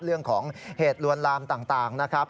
เรื่องของเหตุลวนลามต่างนะครับ